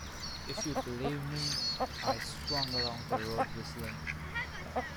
If you believe me, I swung along that road whistling.